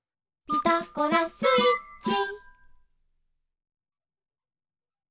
「ピタゴラスイッチ」